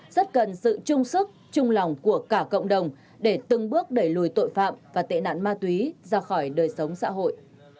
rất cần sự trung sức trung lòng của cả cộng đồng để từng bước đẩy lùi tội phạm và tệ nạn ma túy ra khỏi đời sống xã hội